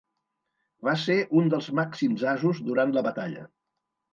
Va ser un dels màxims asos durant la batalla.